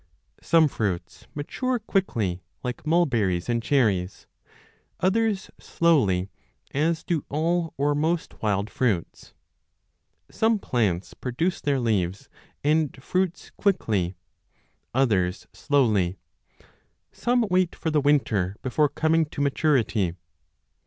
Some fruits mature quickly, like mulberries and cherries, others slowly, as do all or most wild fruits. Some plants produce 15 their leaves and fruits quickly, others slowly ; some wait for the winter before coming to maturity.